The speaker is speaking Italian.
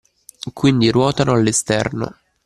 Quindi ruotano all’esterno.